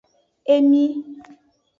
Emi.